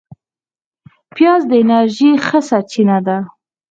پیاز د انرژۍ ښه سرچینه ده